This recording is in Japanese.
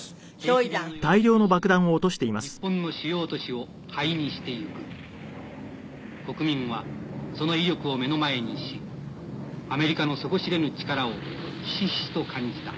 「日本の主要都市を灰にしていく」「国民はその威力を目の前にしアメリカの底知れぬ力をひしひしと感じた」